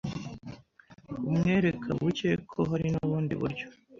umwereka bucye ko hari n’ubundi buryo